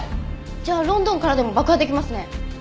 じゃあロンドンからでも爆破できますね。